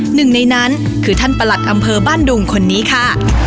หนึ่งในนั้นคือท่านประหลัดอำเภอบ้านดุงคนนี้ค่ะ